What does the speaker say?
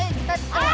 aduh tinggal gak sakit